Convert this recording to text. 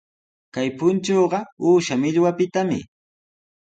Kay punchuqa uusha millwapitami.